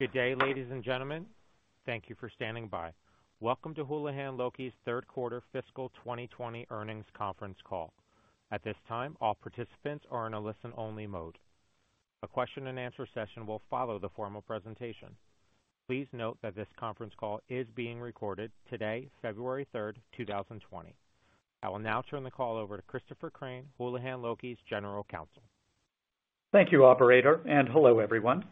Good day, ladies and gentlemen. Thank you for standing by. Welcome to Houlihan Lokey's third quarter fiscal 2020 earnings conference call. At this time, all participants are in a listen-only mode. A question-and-answer session will follow the formal presentation. Please note that this conference call is being recorded today, February 3rd, 2020. I will now turn the call over to Christopher Crain, Houlihan Lokey's General Counsel. Thank you, Operator, and hello everyone.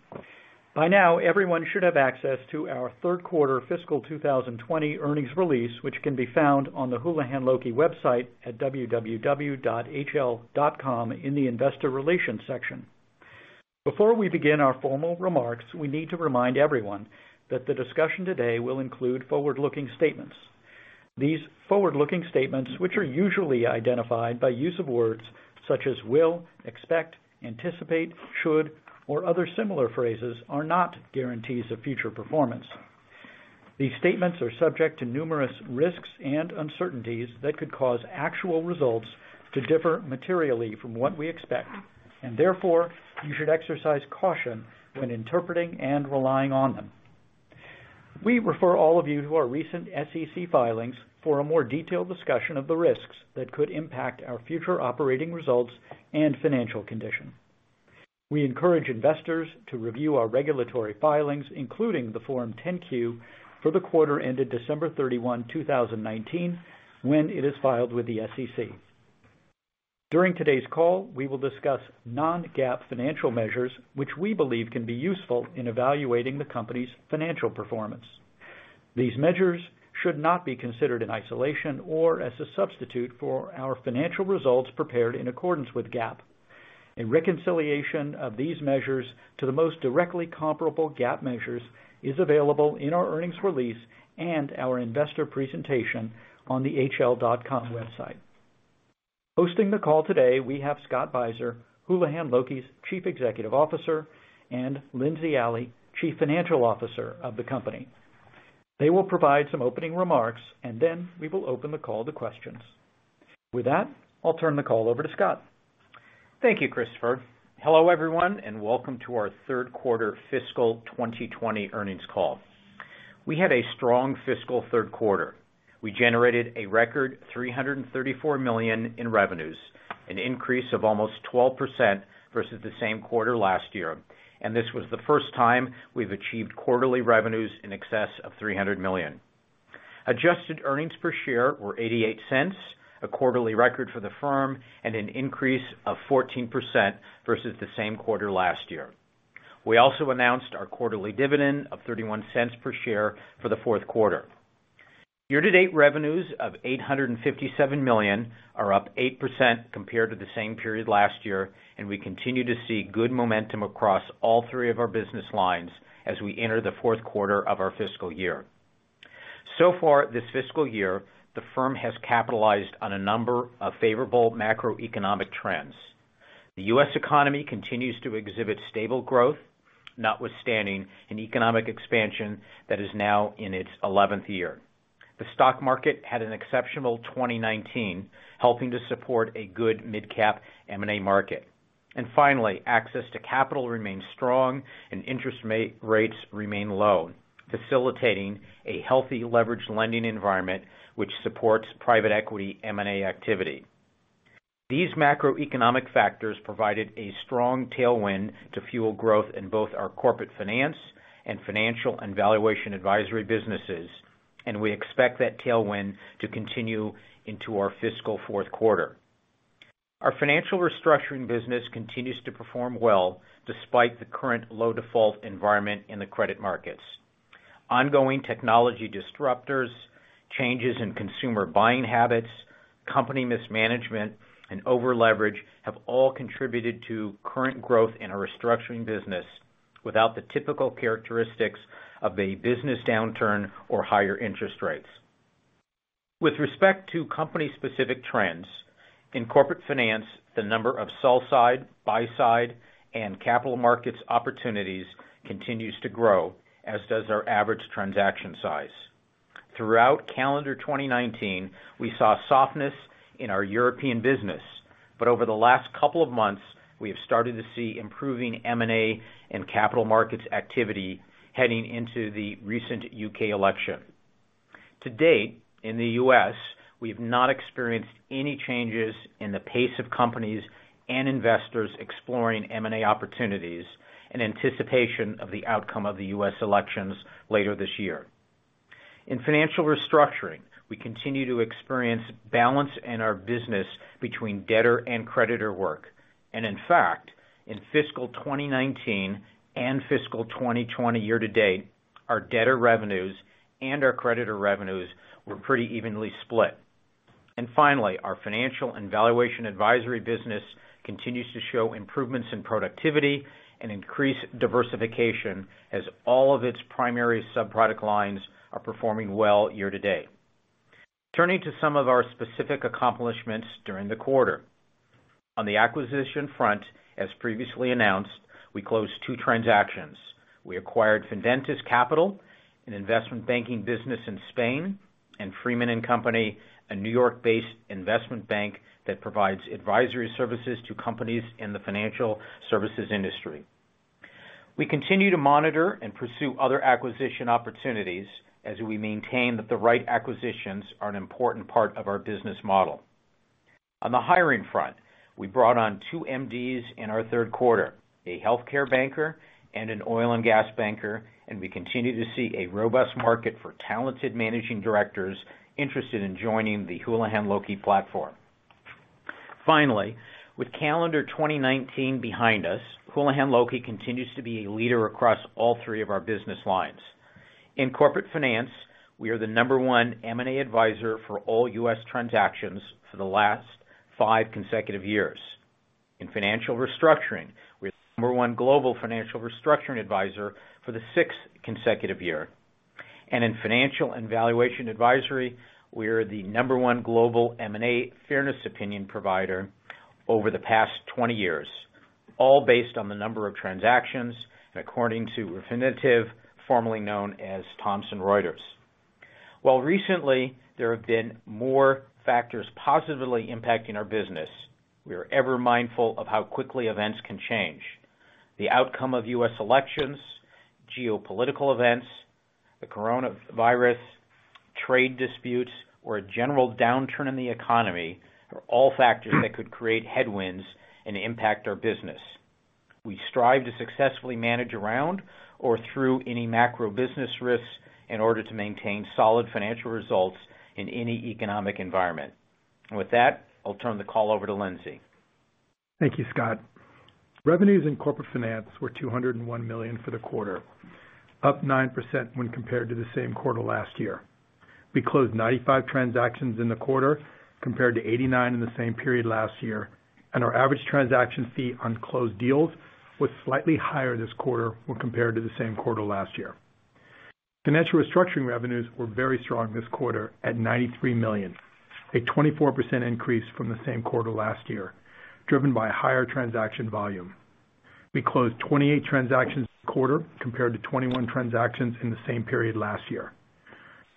By now, everyone should have access to our third quarter fiscal 2020 earnings release, which can be found on the Houlihan Lokey website at www.hl.com in the investor relations section. Before we begin our formal remarks, we need to remind everyone that the discussion today will include forward-looking statements. These forward-looking statements, which are usually identified by use of words such as will, expect, anticipate, should, or other similar phrases, are not guarantees of future performance. These statements are subject to numerous risks and uncertainties that could cause actual results to differ materially from what we expect, and therefore you should exercise caution when interpreting and relying on them. We refer all of you to our recent SEC filings for a more detailed discussion of the risks that could impact our future operating results and financial condition. We encourage investors to review our regulatory filings, including the Form 10-Q for the quarter ended December 31, 2019, when it is filed with the SEC. During today's call, we will discuss non-GAAP financial measures, which we believe can be useful in evaluating the company's financial performance. These measures should not be considered in isolation or as a substitute for our financial results prepared in accordance with GAAP. A reconciliation of these measures to the most directly comparable GAAP measures is available in our earnings release and our investor presentation on the hl.com website. Hosting the call today, we have Scott Beiser, Houlihan Lokey's Chief Executive Officer, and Lindsey Alley, Chief Financial Officer of the company. They will provide some opening remarks, and then we will open the call to questions. With that, I'll turn the call over to Scott. Thank you, Christopher. Hello everyone, and welcome to our third quarter fiscal 2020 earnings call. We had a strong fiscal third quarter. We generated a record $334 million in revenues, an increase of almost 12% versus the same quarter last year, and this was the first time we've achieved quarterly revenues in excess of $300 million. Adjusted earnings per share were $0.88, a quarterly record for the firm, and an increase of 14% versus the same quarter last year. We also announced our quarterly dividend of $0.31 per share for the fourth quarter. Year-to-date revenues of $857 million are up 8% compared to the same period last year, and we continue to see good momentum across all three of our business lines as we enter the fourth quarter of our fiscal year. So far this fiscal year, the firm has capitalized on a number of favorable macroeconomic trends. The U.S. economy continues to exhibit stable growth, notwithstanding an economic expansion that is now in its 11th year. The stock market had an exceptional 2019, helping to support a good mid-cap M&A market, and finally, access to capital remains strong, and interest rates remain low, facilitating a healthy leveraged lending environment which supports private equity M&A activity. These macroeconomic factors provided a strong tailwind to fuel growth in both our Corporate Finance and Financial and Valuation Advisory businesses, and we expect that tailwind to continue into our fiscal fourth quarter. Our Financial Restructuring business continues to perform well despite the current low default environment in the credit markets. Ongoing technology disruptors, changes in consumer buying habits, company mismanagement, and over-leverage have all contributed to current growth in our restructuring business without the typical characteristics of a business downturn or higher interest rates. With respect to company-specific trends, in Corporate Finance, the number of sell-side, buy-side, and capital markets opportunities continues to grow, as does our average transaction size. Throughout calendar 2019, we saw softness in our European business, but over the last couple of months, we have started to see improving M&A and capital markets activity heading into the recent U.K. election. To date, in the U.S., we have not experienced any changes in the pace of companies and investors exploring M&A opportunities in anticipation of the outcome of the U.S. elections later this year. In Financial Restructuring, we continue to experience balance in our business between debtor and creditor work, and in fact, in fiscal 2019 and fiscal 2020 year-to-date, our debtor revenues and our creditor revenues were pretty evenly split. Finally, our Financial and Valuation Advisory business continues to show improvements in productivity and increased diversification as all of its primary subproduct lines are performing well year-to-date. Turning to some of our specific accomplishments during the quarter. On the acquisition front, as previously announced, we closed two transactions. We acquired Fidentiis Capital, an investment banking business in Spain, and Freeman & Company, a New York-based investment bank that provides advisory services to companies in the financial services industry. We continue to monitor and pursue other acquisition opportunities as we maintain that the right acquisitions are an important part of our business model. On the hiring front, we brought on two MDs in our third quarter, a healthcare banker and an oil and gas banker, and we continue to see a robust market for talented managing directors interested in joining the Houlihan Lokey platform. Finally, with calendar 2019 behind us, Houlihan Lokey continues to be a leader across all three of our business lines. In corporate finance, we are the number one M&A advisor for all U.S. transactions for the last five consecutive years. In financial restructuring, we are the number one global financial restructuring advisor for the sixth consecutive year. And in financial and valuation advisory, we are the number one global M&A fairness opinion provider over the past 20 years, all based on the number of transactions according to Refinitiv, formerly known as Thomson Reuters. While recently there have been more factors positively impacting our business, we are ever mindful of how quickly events can change. The outcome of U.S. elections, geopolitical events, the coronavirus, trade disputes, or a general downturn in the economy are all factors that could create headwinds and impact our business. We strive to successfully manage around or through any macro business risks in order to maintain solid financial results in any economic environment. With that, I'll turn the call over to Lindsey. Thank you, Scott. Revenues in Corporate Finance were $201 million for the quarter, up 9% when compared to the same quarter last year. We closed 95 transactions in the quarter compared to 89 in the same period last year, and our average transaction fee on closed deals was slightly higher this quarter when compared to the same quarter last year. Financial Restructuring revenues were very strong this quarter at $93 million, a 24% increase from the same quarter last year, driven by higher transaction volume. We closed 28 transactions this quarter compared to 21 transactions in the same period last year.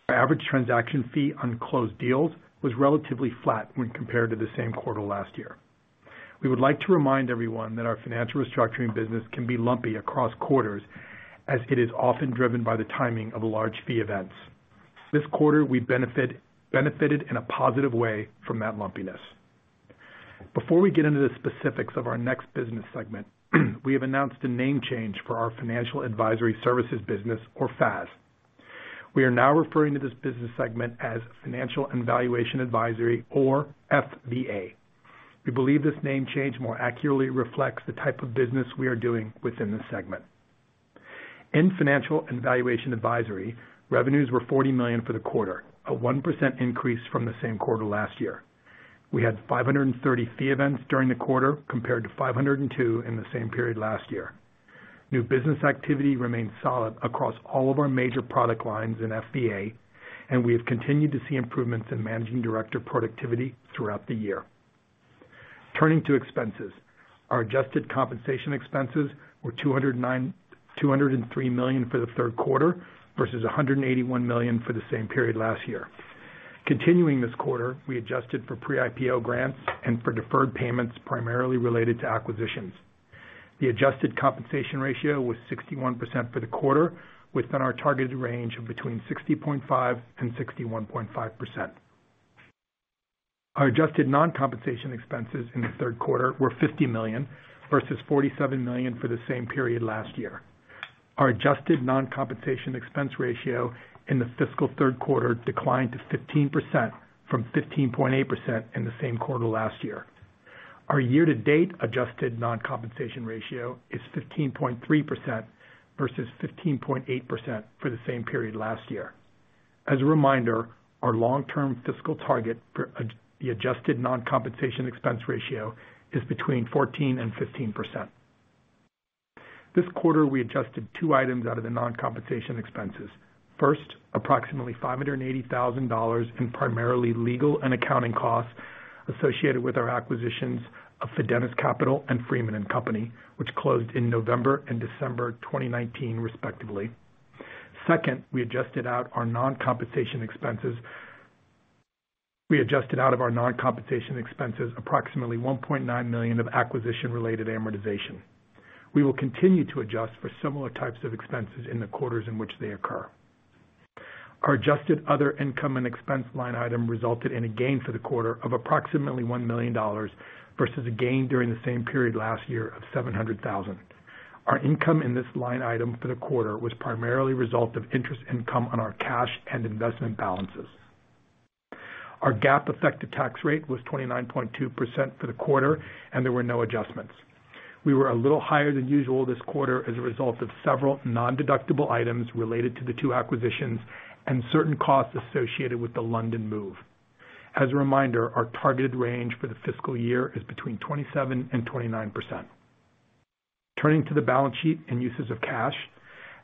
Our average transaction fee on closed deals was relatively flat when compared to the same quarter last year. We would like to remind everyone that our Financial Restructuring business can be lumpy across quarters as it is often driven by the timing of large fee events. This quarter, we benefited in a positive way from that lumpiness. Before we get into the specifics of our next business segment, we have announced a name change for our Financial Advisory Services business, or FAS. We are now referring to this business segment as Financial and Valuation Advisory, or FVA. We believe this name change more accurately reflects the type of business we are doing within this segment. In Financial and Valuation Advisory, revenues were $40 million for the quarter, a 1% increase from the same quarter last year. We had 530 fee events during the quarter compared to 502 in the same period last year. New business activity remained solid across all of our major product lines in FVA, and we have continued to see improvements in managing director productivity throughout the year. Turning to expenses, our adjusted compensation expenses were $203 million for the third quarter versus $181 million for the same period last year. Continuing this quarter, we adjusted for pre-IPO grants and for deferred payments primarily related to acquisitions. The adjusted compensation ratio was 61% for the quarter, within our targeted range of between 60.5% and 61.5%. Our adjusted non-compensation expenses in the third quarter were $50 million versus $47 million for the same period last year. Our adjusted non-compensation expense ratio in the fiscal third quarter declined to 15% from 15.8% in the same quarter last year. Our year-to-date adjusted non-compensation ratio is 15.3% versus 15.8% for the same period last year. As a reminder, our long-term fiscal target for the adjusted non-compensation expense ratio is between 14% and 15%. This quarter, we adjusted two items out of the non-compensation expenses. First, approximately $580,000 in primarily legal and accounting costs associated with our acquisitions of Fidentiis Capital and Freeman & Company, which closed in November and December 2019, respectively. Second, we adjusted out our non-compensation expenses, approximately $1.9 million of acquisition-related amortization. We will continue to adjust for similar types of expenses in the quarters in which they occur. Our adjusted other income and expense line item resulted in a gain for the quarter of approximately $1 million versus a gain during the same period last year of $700,000. Our income in this line item for the quarter was primarily the result of interest income on our cash and investment balances. Our GAAP effective tax rate was 29.2% for the quarter, and there were no adjustments. We were a little higher than usual this quarter as a result of several non-deductible items related to the two acquisitions and certain costs associated with the London move. As a reminder, our targeted range for the fiscal year is between 27% and 29%. Turning to the balance sheet and uses of cash,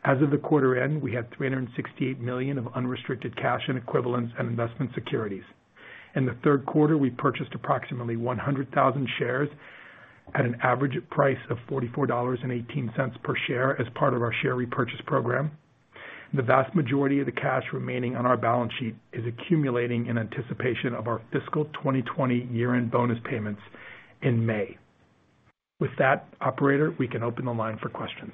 as of the quarter end, we had $368 million of unrestricted cash and equivalents and investment securities. In the third quarter, we purchased approximately 100,000 shares at an average price of $44.18 per share as part of our share repurchase program. The vast majority of the cash remaining on our balance sheet is accumulating in anticipation of our fiscal 2020 year-end bonus payments in May. With that, Operator, we can open the line for questions.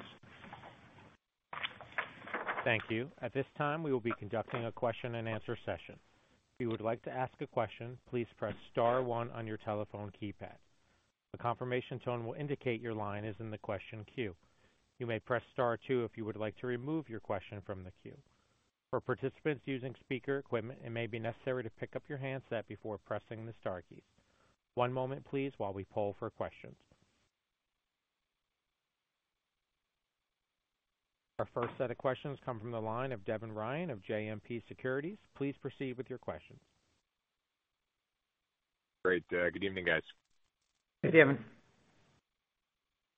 Thank you. At this time, we will be conducting a question-and-answer session. If you would like to ask a question, please press star one on your telephone keypad. A confirmation tone will indicate your line is in the question queue. You may press star two if you would like to remove your question from the queue. For participants using speaker equipment, it may be necessary to pick up your handset before pressing the star keys. One moment, please, while we poll for questions. Our first set of questions come from the line of Devin Ryan of JMP Securities. Please proceed with your questions. Great. Good evening, guys. Hey, Devin.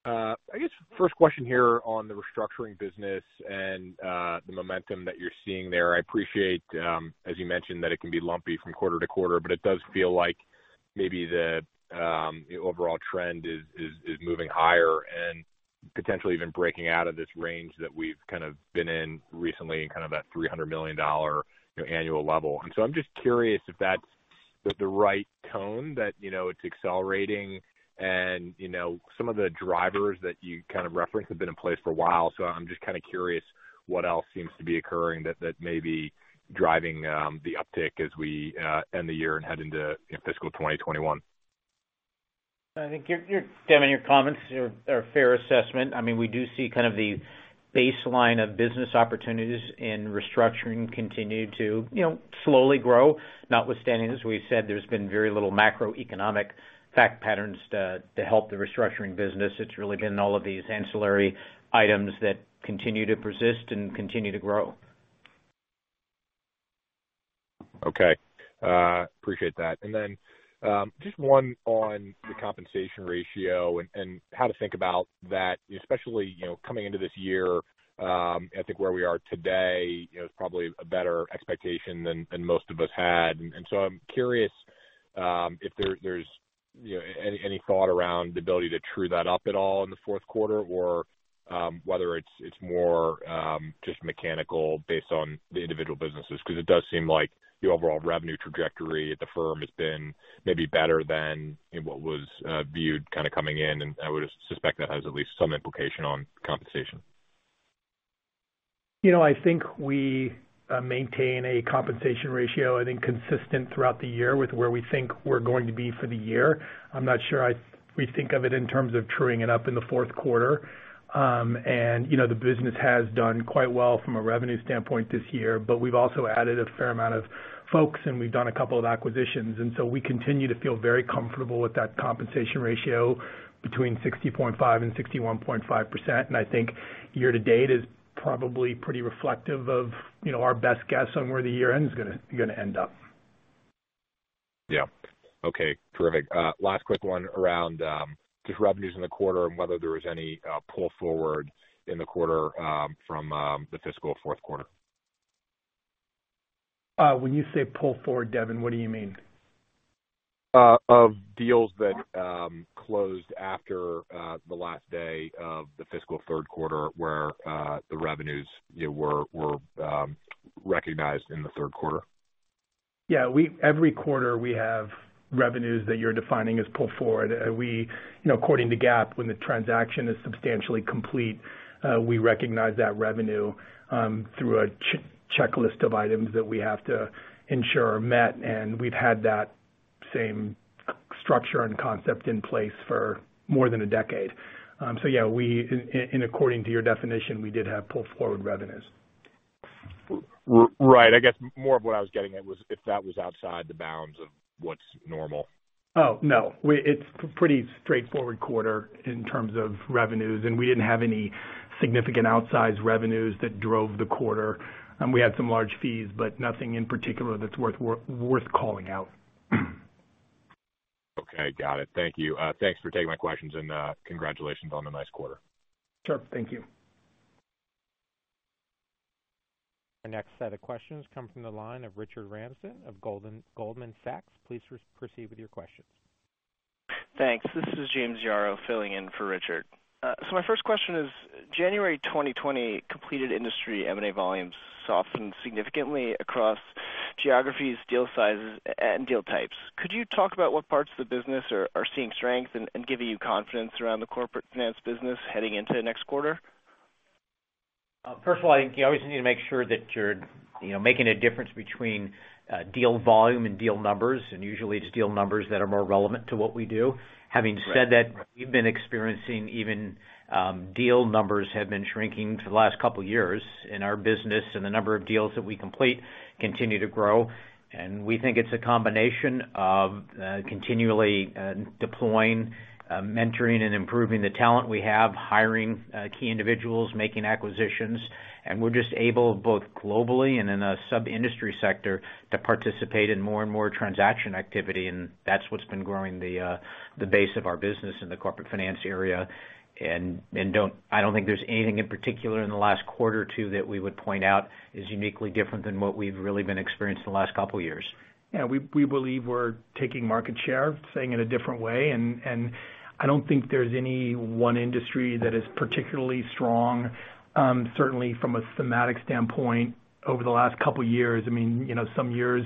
I guess first question here on the restructuring business and the momentum that you're seeing there. I appreciate, as you mentioned, that it can be lumpy from quarter to quarter, but it does feel like maybe the overall trend is moving higher and potentially even breaking out of this range that we've kind of been in recently and kind of that $300 million annual level. And so I'm just curious if that's the right tone that it's accelerating and some of the drivers that you kind of referenced have been in place for a while. So I'm just kind of curious what else seems to be occurring that may be driving the uptick as we end the year and head into fiscal 2021. I think, Devin, your comments are a fair assessment. I mean, we do see kind of the baseline of business opportunities in restructuring continue to slowly grow. Notwithstanding, as we've said, there's been very little macroeconomic fact patterns to help the restructuring business. It's really been all of these ancillary items that continue to persist and continue to grow. Okay. Appreciate that. Then just one on the compensation ratio and how to think about that, especially coming into this year. I think where we are today is probably a better expectation than most of us had. And so, I'm curious if there's any thought around the ability to true that up at all in the fourth quarter or whether it's more just mechanical based on the individual businesses, because it does seem like the overall revenue trajectory at the firm has been maybe better than what was viewed kind of coming in, and I would suspect that has at least some implication on compensation. I think we maintain a compensation ratio, I think, consistent throughout the year with where we think we're going to be for the year. I'm not sure we think of it in terms of truing it up in the fourth quarter. The business has done quite well from a revenue standpoint this year, but we've also added a fair amount of folks, and we've done a couple of acquisitions. So we continue to feel very comfortable with that compensation ratio between 60.5% and 61.5%. I think year-to-date is probably pretty reflective of our best guess on where the year-end is going to end up. Yeah. Okay. Terrific. Last quick one around just revenues in the quarter and whether there was any pull forward in the quarter from the fiscal fourth quarter. When you say pull-forward, Devin, what do you mean? Of deals that closed after the last day of the fiscal third quarter where the revenues were recognized in the third quarter. Yeah. Every quarter, we have revenues that you're defining as pull-forward. According to GAAP, when the transaction is substantially complete, we recognize that revenue through a checklist of items that we have to ensure are met. We've had that same structure and concept in place for more than a decade. So yeah, according to your definition, we did have pull forward revenues. Right. I guess more of what I was getting at was if that was outside the bounds of what's normal. Oh, no. It's a pretty straightforward quarter in terms of revenues, and we didn't have any significant outsized revenues that drove the quarter. We had some large fees, but nothing in particular that's worth calling out. Okay. Got it. Thank you. Thanks for taking my questions and congratulations on a nice quarter. Sure. Thank you. Our next set of questions come from the line of Richard Ramsden of Goldman Sachs. Please proceed with your questions. Thanks. This is James Yaro filling in for Richard. So my first question is, January 2020 completed industry M&A volumes softened significantly across geographies, deal sizes, and deal types. Could you talk about what parts of the business are seeing strength and giving you confidence around the Corporate Finance business heading into next quarter? First of all, I think you always need to make sure that you're making a difference between deal volume and deal numbers, and usually it's deal numbers that are more relevant to what we do. Having said that, we've been experiencing even deal numbers have been shrinking for the last couple of years, and our business and the number of deals that we complete continue to grow. We think it's a combination of continually deploying, mentoring, and improving the talent we have, hiring key individuals, making acquisitions. We're just able, both globally and in a sub-industry sector, to participate in more and more transaction activity. And that's what's been growing the base of our business in the Corporate Finance area. I don't think there's anything in particular in the last quarter or two that we would point out is uniquely different than what we've really been experiencing the last couple of years. Yeah. We believe we're taking market share, saying it a different way. I don't think there's any one industry that is particularly strong, certainly from a thematic standpoint over the last couple of years. I mean, some years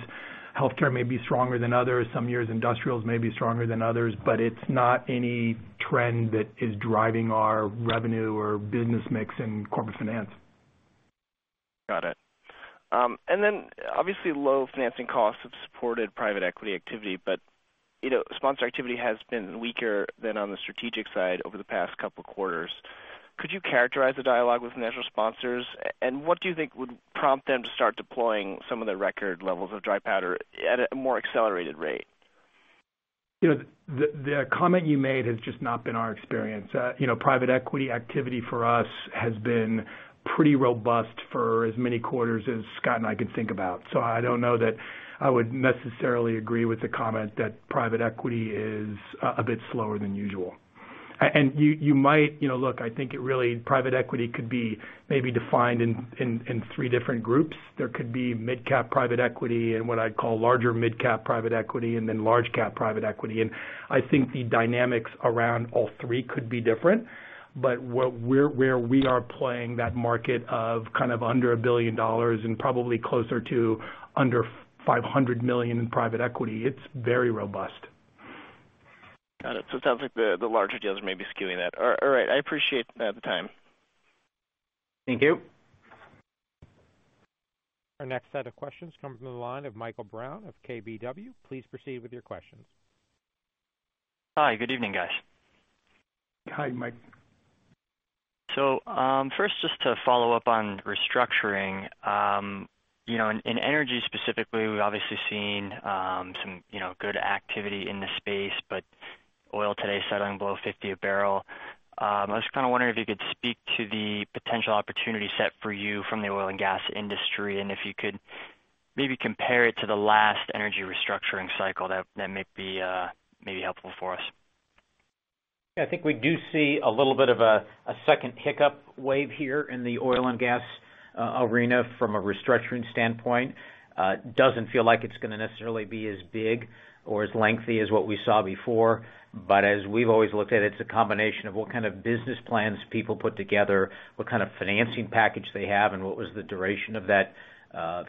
healthcare may be stronger than others, some years industrials may be stronger than others, but it's not any trend that is driving our revenue or business mix in corporate finance. Got it. And then obviously low financing costs have supported private equity activity, but sponsor activity has been weaker than on the strategic side over the past couple of quarters. Could you characterize the dialogue with national sponsors? What do you think would prompt them to start deploying some of the record levels of dry powder at a more accelerated rate? The comment you made has just not been our experience. Private equity activity for us has been pretty robust for as many quarters as Scott and I could think about. So I don't know that I would necessarily agree with the comment that private equity is a bit slower than usual. You might look, I think it really private equity could be maybe defined in three different groups. There could be mid-cap private equity and what I'd call larger mid-cap private equity and then large-cap private equity. I think the dynamics around all three could be different. Where we are playing that market of kind of under $1 billion and probably closer to under $500 million in private equity, it's very robust. Got it. So it sounds like the larger deals are maybe skewing that. All right. I appreciate the time. Thank you. Our next set of questions come from the line of Michael Brown of KBW. Please proceed with your questions. Hi. Good evening, guys. Hi, Mike. So first, just to follow up on restructuring, in energy specifically, we've obviously seen some good activity in the space, but oil today is settling below $50 a barrel. I was kind of wondering if you could speak to the potential opportunity set for you from the oil and gas industry and if you could maybe compare it to the last energy restructuring cycle that may be helpful for us. Yeah. I think we do see a little bit of a second hiccup wave here in the oil and gas arena from a restructuring standpoint. It doesn't feel like it's going to necessarily be as big or as lengthy as what we saw before. As we've always looked at it, it's a combination of what kind of business plans people put together, what kind of financing package they have, and what was the duration of that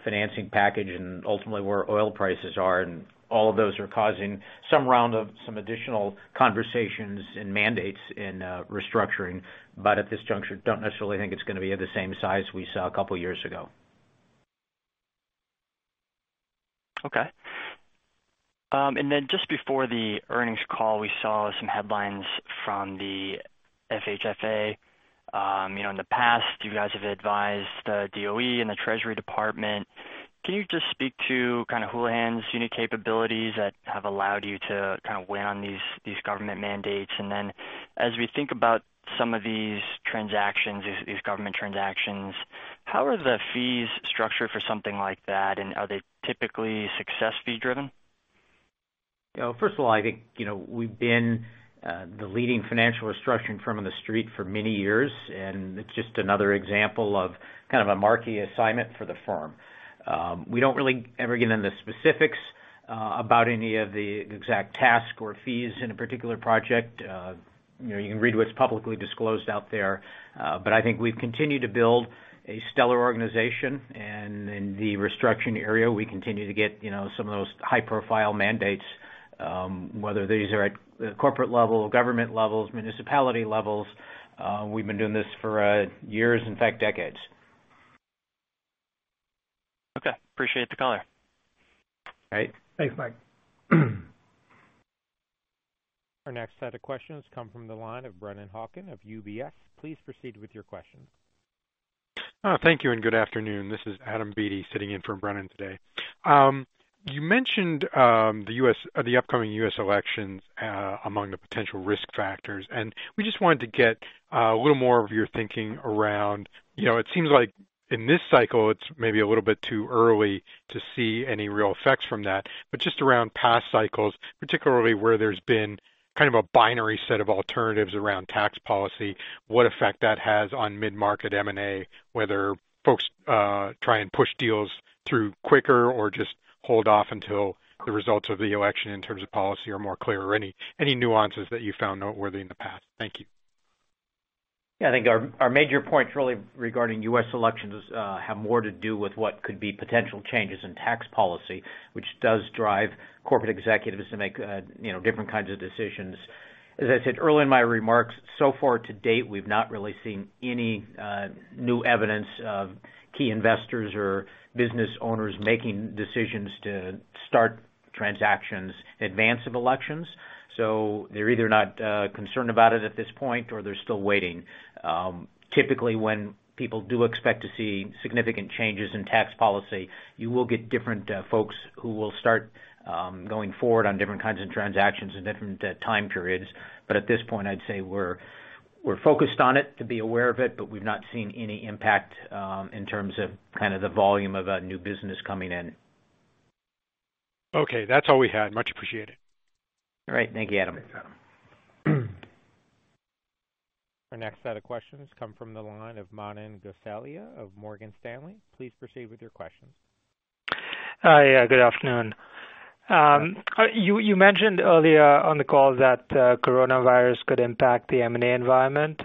financing package and ultimately where oil prices are. All of those are causing some round of some additional conversations and mandates in restructuring. But at this juncture, I don't necessarily think it's going to be of the same size we saw a couple of years ago. Okay. Then just before the earnings call, we saw some headlines from the FHFA. In the past, you guys have advised the DOE and the Treasury Department. Can you just speak to kind of Houlihan's unique capabilities that have allowed you to kind of win on these government mandates? As we think about some of these transactions, these government transactions, how are the fees structured for something like that? Are they typically success-fee driven? First of all, I think we've been the leading financial restructuring firm on the street for many years, and it's just another example of kind of a marquee assignment for the firm. We don't really ever get into the specifics about any of the exact tasks or fees in a particular project. You can read what's publicly disclosed out there but I think we've continued to build a stellar organization. In the restructuring area, we continue to get some of those high-profile mandates, whether these are at corporate level, government levels, municipality levels. We've been doing this for years, in fact, decades. Okay. Appreciate the color. All right. Thanks, Mike. Our next set of questions come from the line of Brennan Hawken of UBS. Please proceed with your questions. Thank you and good afternoon. This is Adam Beatty sitting in for Brennan today. You mentioned the upcoming U.S. elections among the potential risk factors. And we just wanted to get a little more of your thinking around it seems like in this cycle, it's maybe a little bit too early to see any real effects from that. Just around past cycles, particularly where there's been kind of a binary set of alternatives around tax policy, what effect that has on mid-market M&A, whether folks try and push deals through quicker or just hold off until the results of the election in terms of policy are more clear, or any nuances that you found noteworthy in the past. Thank you. Yeah. I think our major points really regarding U.S. elections have more to do with what could be potential changes in tax policy, which does drive corporate executives to make different kinds of decisions. As I said early in my remarks, so far to date, we've not really seen any new evidence of key investors or business owners making decisions to start transactions in advance of elections. So they're either not concerned about it at this point or they're still waiting. Typically, when people do expect to see significant changes in tax policy, you will get different folks who will start going forward on different kinds of transactions in different time periods. But at this point, I'd say we're focused on it to be aware of it, but we've not seen any impact in terms of kind of the volume of new business coming in. Okay. That's all we had. Much appreciated. All right. Thank you, Adam. Our next set of questions come from the line of Manan Gosalia of Morgan Stanley. Please proceed with your questions. Hi. Good afternoon. You mentioned earlier on the call that coronavirus could impact the M&A environment.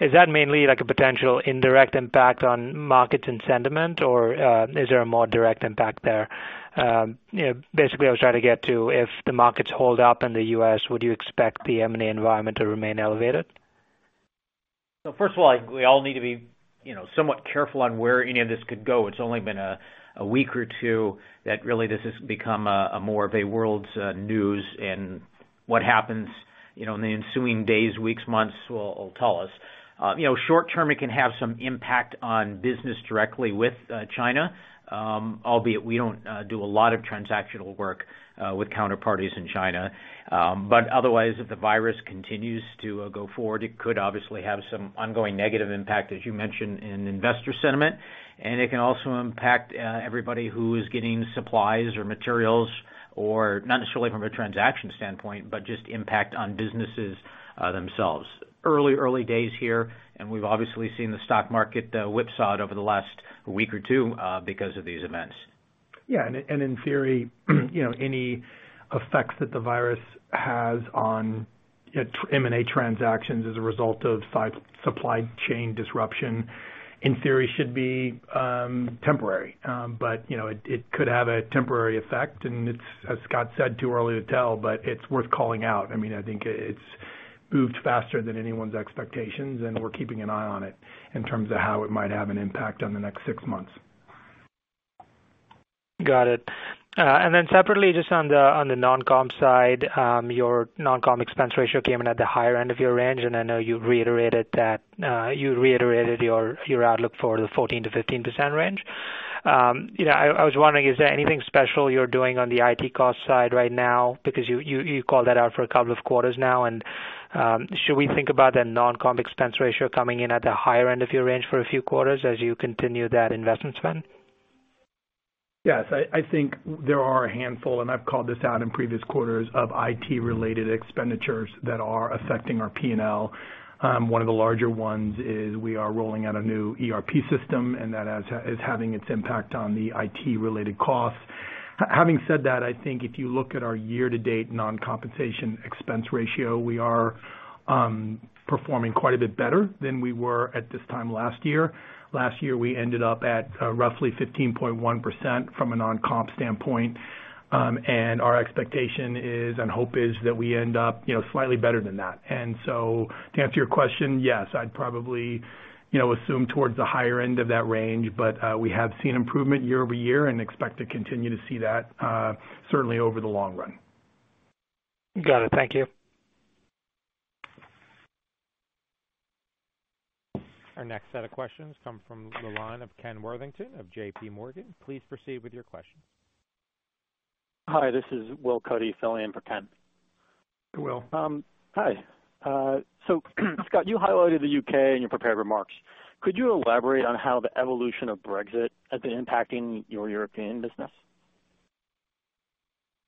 Is that mainly a potential indirect impact on markets and sentiment, or is there a more direct impact there? Basically, I was trying to get to if the markets hold up in the U.S., would you expect the M&A environment to remain elevated? So first of all, I think we all need to be somewhat careful on where any of this could go. It's only been a week or two that really this has become more of a world news, and what happens in the ensuing days, weeks, months will tell us. Short term, it can have some impact on business directly with China, albeit we don't do a lot of transactional work with counterparties in China. Otherwise, if the virus continues to go forward, it could obviously have some ongoing negative impact, as you mentioned, in investor sentiment. It can also impact everybody who is getting supplies or materials, not necessarily from a transaction standpoint, but just impact on businesses themselves. Early, early days here, and we've obviously seen the stock market whipsawed over the last week or two because of these events. Yeah. In theory, any effects that the virus has on M&A transactions as a result of supply chain disruption, in theory, should be temporary. It could have a temporary effect. As Scott said, too early to tell, but it's worth calling out. I mean, I think it's moved faster than anyone's expectations, and we're keeping an eye on it in terms of how it might have an impact on the next six months. Got it. Then separately, just on the non-comp side, your non-comp expense ratio came in at the higher end of your range, and I know you reiterated your outlook for the 14%-15% range. I was wondering, is there anything special you're doing on the IT cost side right now? Because you called that out for a couple of quarters now. Should we think about that non-comp expense ratio coming in at the higher end of your range for a few quarters as you continue that investment spend? Yes. I think there are a handful, and I've called this out in previous quarters, of IT-related expenditures that are affecting our P&L. One of the larger ones is we are rolling out a new ERP system, and that is having its impact on the IT-related costs. Having said that, I think if you look at our year-to-date non-compensation expense ratio, we are performing quite a bit better than we were at this time last year. Last year, we ended up at roughly 15.1% from a non-comp standpoint. Our expectation is and hope is that we end up slightly better than that. So to answer your question, yes, I'd probably assume towards the higher end of that range but we have seen improvement year-over-year and expect to continue to see that certainly over the long run. Got it. Thank you. Our next set of questions come from the line of Ken Worthington of JPMorgan. Please proceed with your questions. Hi. This is Will Cuddy, filling in for Ken. Hello. Hi. So Scott, you highlighted the U.K. in your prepared remarks. Could you elaborate on how the evolution of Brexit has been impacting your European business?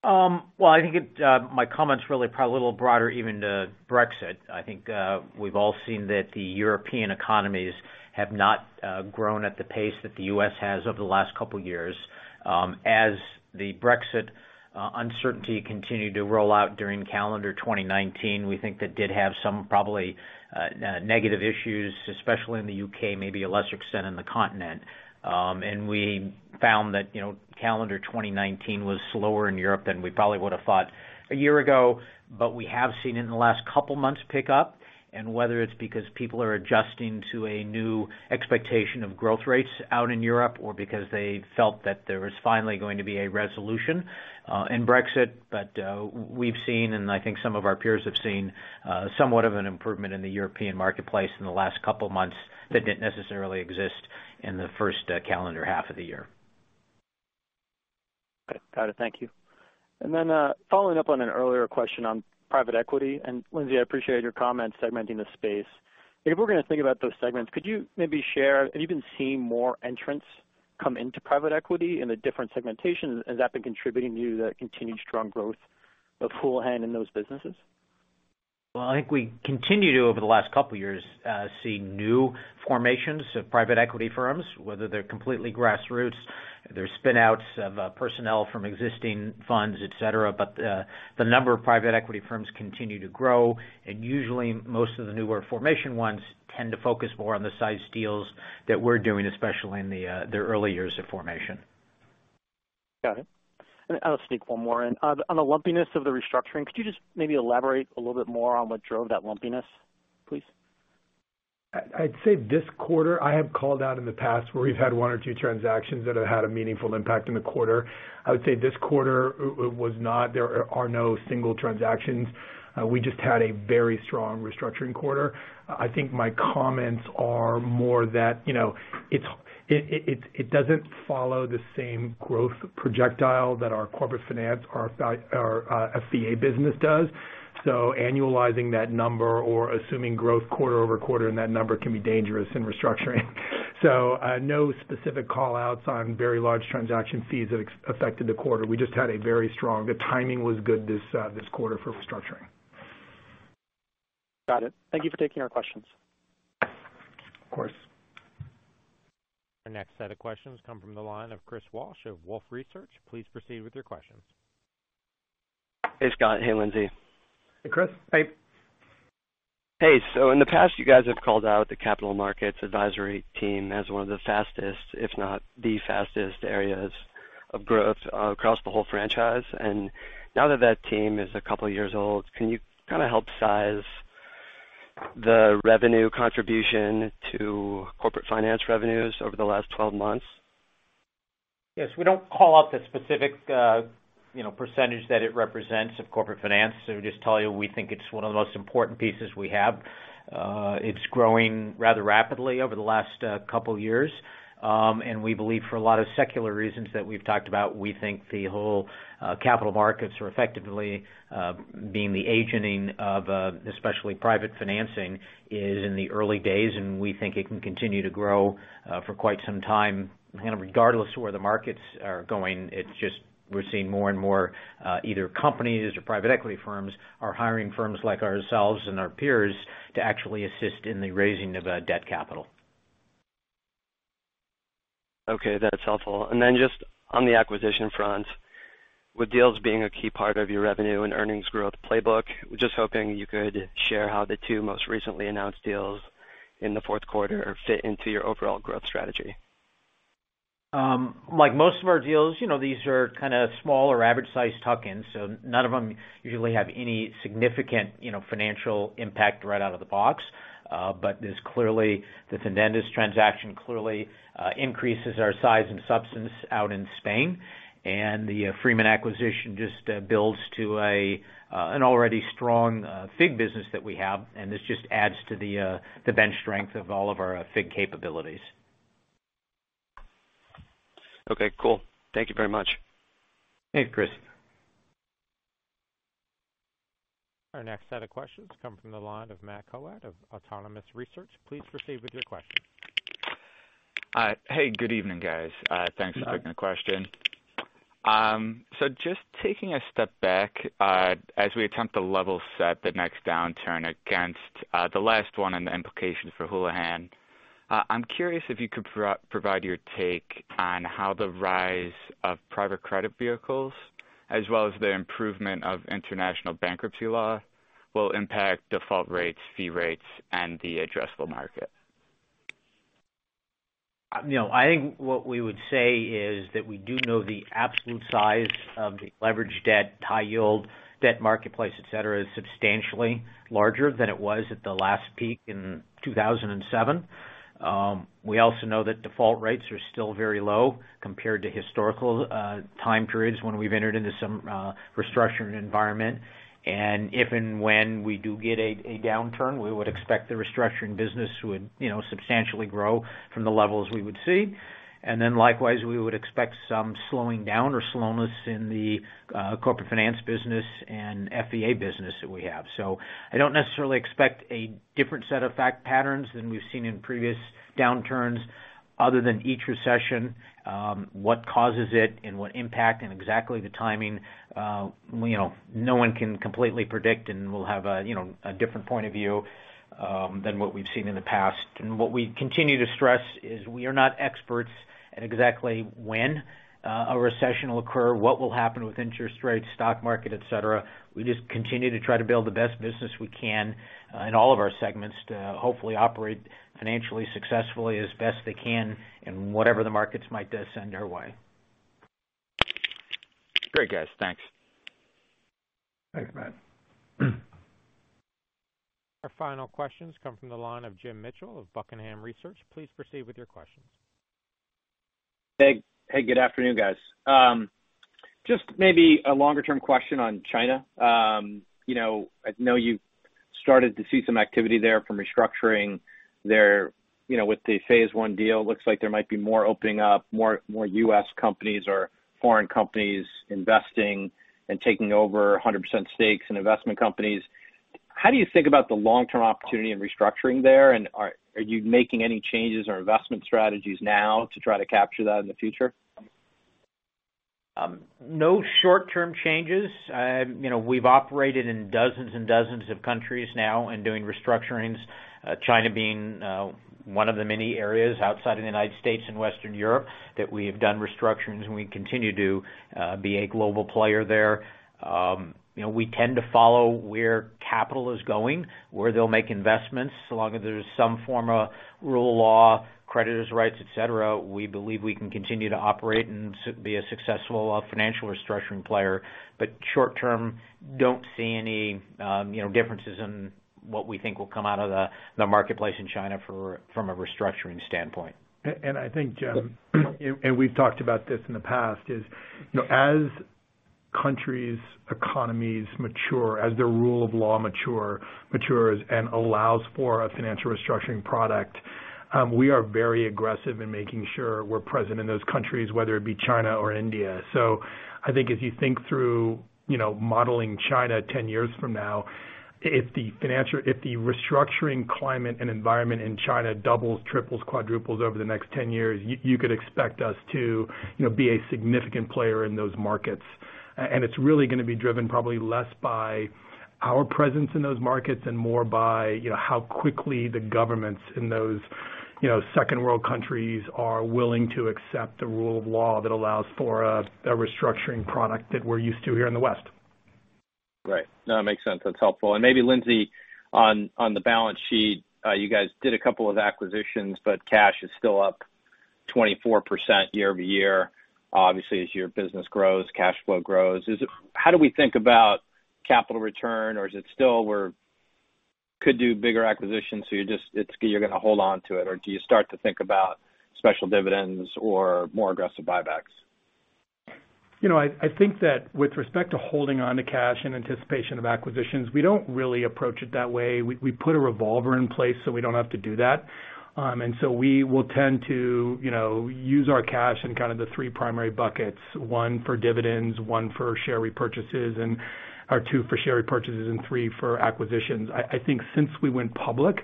I think my comments really are probably a little broader even to Brexit. I think we've all seen that the European economies have not grown at the pace that the U.S. has over the last couple of years. As the Brexit uncertainty continued to roll out during calendar 2019, we think that did have some probably negative issues, especially in the U.K., maybe to a lesser extent in the continent. We found that calendar 2019 was slower in Europe than we probably would have thought a year ago but we have seen it in the last couple of months pick up. Whether it's because people are adjusting to a new expectation of growth rates out in Europe or because they felt that there was finally going to be a resolution in Brexit. But we've seen, and I think some of our peers have seen, somewhat of an improvement in the European marketplace in the last couple of months that didn't necessarily exist in the first calendar half of the year. Got it. Thank you. And then following up on an earlier question on private equity, and Lindsey, I appreciate your comments segmenting the space. If we're going to think about those segments, could you maybe share if you've been seeing more entrants come into private equity in a different segmentation? Has that been contributing to the continued strong growth of Houlihan in those businesses? I think we continue to, over the last couple of years, see new formations of private equity firms, whether they're completely grassroots, they're spinouts of personnel from existing funds, et cetera. But the number of private equity firms continue to grow. Usually, most of the newer formation ones tend to focus more on the size deals that we're doing, especially in the early years of formation. Got it. I'll sneak one more in. On the lumpiness of the restructuring, could you just maybe elaborate a little bit more on what drove that lumpiness, please? I'd say this quarter, I have called out in the past where we've had one or two transactions that have had a meaningful impact in the quarter. I would say this quarter, it was not. There are no single transactions. We just had a very strong restructuring quarter. I think my comments are more that it doesn't follow the same growth trajectory that our Corporate Finance or FVA business does. So annualizing that number or assuming growth quarter over quarter in that number can be dangerous in restructuring. So no specific callouts on very large transaction fees that affected the quarter. We just had a very strong. The timing was good this quarter for restructuring. Got it. Thank you for taking our questions. Of course. Our next set of questions come from the line of Chris Walsh of Wolfe Research. Please proceed with your questions. Hey, Scott. Hey, Lindsey. Hey, Chris. Hey. Hey. So in the past, you guys have called out the Capital Markets Advisory team as one of the fastest, if not the fastest, areas of growth across the whole franchise. Now that that team is a couple of years old, can you kind of help size the revenue contribution to Corporate Finance revenues over the last 12 months? Yes. We don't call out the specific percentage that it represents of Corporate Finance. So we just tell you we think it's one of the most important pieces we have. It's growing rather rapidly over the last couple of years. We believe, for a lot of secular reasons that we've talked about, we think the whole capital markets, or effectively being the agenting of especially private financing, is in the early days. We think it can continue to grow for quite some time. Kind of regardless of where the markets are going, it's just we're seeing more and more either companies or private equity firms are hiring firms like ourselves and our peers to actually assist in the raising of debt capital. Okay. That's helpful. Then just on the acquisition front, with deals being a key part of your revenue and earnings growth playbook, just hoping you could share how the two most recently announced deals in the fourth quarter fit into your overall growth strategy? Like most of our deals, these are kind of small or average-sized tuck-ins, so none of them usually have any significant financial impact right out of the box, but this clearly, the Fidentiis transaction clearly increases our size and substance out in Spain. The Freeman acquisition just builds to an already strong FIG business that we have, and this just adds to the bench strength of all of our FIG capabilities. Okay. Cool. Thank you very much. Thanks, Chris. Our next set of questions come from the line of Matt Coad of Autonomous Research. Please proceed with your questions. Hey. Good evening, guys. Thanks for taking the question. So just taking a step back, as we attempt to level set the next downturn against the last one and the implications for Houlihan, I'm curious if you could provide your take on how the rise of private credit vehicles, as well as the improvement of international bankruptcy law, will impact default rates, fee rates, and the addressable market? I think what we would say is that we do know the absolute size of the leveraged debt, high-yield debt marketplace, et cetera, is substantially larger than it was at the last peak in 2007. We also know that default rates are still very low compared to historical time periods when we've entered into some restructuring environment. If and when we do get a downturn, we would expect the restructuring business would substantially grow from the levels we would see. Then likewise, we would expect some slowing down or slowness in the Corporate Finance business and FVA business that we have. So I don't necessarily expect a different set of fact patterns than we've seen in previous downturns. Other than each recession, what causes it and what impact and exactly the timing, no one can completely predict. We'll have a different point of view than what we've seen in the past. What we continue to stress is we are not experts at exactly when a recession will occur, what will happen with interest rates, stock market, etc. We just continue to try to build the best business we can in all of our segments to hopefully operate financially successfully as best they can in whatever the markets might send our way. Great, guys. Thanks. Our final questions come from the line of Jim Mitchell of Buckingham Research. Please proceed with your questions. Hey. Hey. Good afternoon, guys. Just maybe a longer-term question on China. I know you've started to see some activity there from restructuring there with the phase I deal. Looks like there might be more opening up, more U.S. companies or foreign companies investing and taking over 100% stakes in investment companies. How do you think about the long-term opportunity in restructuring there? Are you making any changes or investment strategies now to try to capture that in the future? No short-term changes. We've operated in dozens and dozens of countries now and doing restructurings, China being one of the many areas outside of the United States and Western Europe that we have done restructurings and we continue to be a global player there. We tend to follow where capital is going, where they'll make investments. So long as there's some form of rule of law, creditors' rights, et cetera, we believe we can continue to operate and be a successful financial restructuring player. But short-term, don't see any differences in what we think will come out of the marketplace in China from a restructuring standpoint. I think, Jim, and we've talked about this in the past, is as countries' economies mature, as their rule of law matures and allows for a financial restructuring product, we are very aggressive in making sure we're present in those countries, whether it be China or India. So I think as you think through modeling China 10 years from now, if the restructuring climate and environment in China doubles, triples, quadruples over the next 10 years, you could expect us to be a significant player in those markets. It's really going to be driven probably less by our presence in those markets and more by how quickly the governments in those Second World countries are willing to accept the rule of law that allows for a restructuring product that we're used to here in the West. Right. No, that makes sense. That's helpful. And maybe, Lindsey, on the balance sheet, you guys did a couple of acquisitions, but cash is still up 24% year-over-year. Obviously, as your business grows, cash flow grows. How do we think about capital return? Or is it still we could do bigger acquisitions, so you're going to hold on to it? Or do you start to think about special dividends or more aggressive buybacks? I think that with respect to holding on to cash in anticipation of acquisitions, we don't really approach it that way. We put a revolver in place so we don't have to do that. So we will tend to use our cash in kind of the three primary buckets: one for dividends, one for share repurchases, and two for share repurchases, and three for acquisitions. I think since we went public,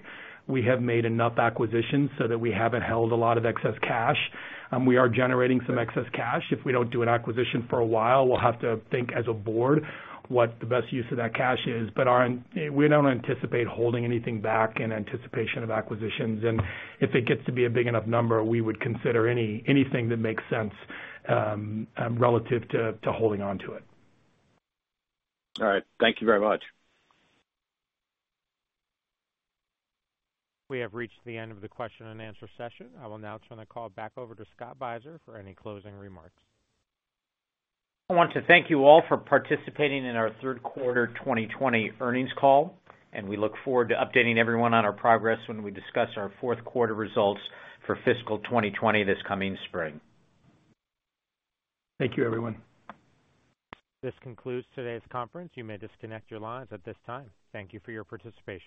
we have made enough acquisitions so that we haven't held a lot of excess cash. We are generating some excess cash. If we don't do an acquisition for a while, we'll have to think as a board what the best use of that cash is but we don't anticipate holding anything back in anticipation of acquisitions. If it gets to be a big enough number, we would consider anything that makes sense relative to holding on to it. All right. Thank you very much. We have reached the end of the question and answer session. I will now turn the call back over to Scott Beiser for any closing remarks. I want to thank you all for participating in our third quarter 2020 earnings call, and we look forward to updating everyone on our progress when we discuss our fourth quarter results for fiscal 2020 this coming spring. Thank you, everyone. This concludes today's conference. You may disconnect your lines at this time. Thank you for your participation.